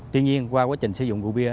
tuy nhiên qua quá trình sử dụng gũ bia